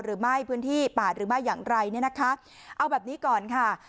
หรือไม่พื้นที่ป่าหรือไม่อย่างไรเนี่ยนะคะเอาแบบนี้ก่อนค่ะ